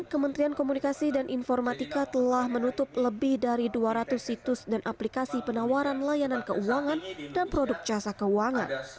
kementerian komunikasi dan informatika telah menutup lebih dari dua ratus situs dan aplikasi penawaran layanan keuangan dan produk jasa keuangan